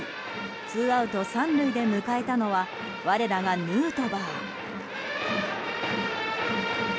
ツーアウト３塁で迎えたのは我らがヌートバー。